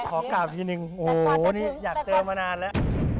ขอกล่าวทีนึงโอ้โหนี่อยากเจอมานานแล้ว